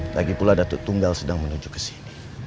lagipula datuk tunggal sedang menuju ke sini